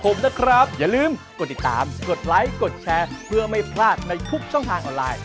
โอ๊ยโอ๊ยโอ๊ย